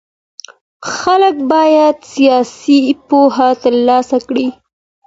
خلګ بايد سياسي پوهه ترلاسه کړي.